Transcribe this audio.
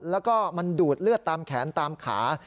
แล้วก็มันดูดเลือดตามแขนตามขา